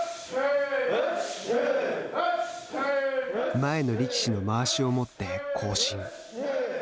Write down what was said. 前の力士のまわしを持って行進。